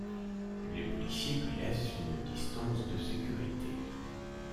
Les policiers lui laissent une distance de sécurité.